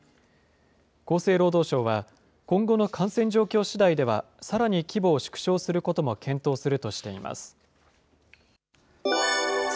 厚生労働省は、今後の感染状況しだいでは、さらに規模を縮小することも検討するとしています。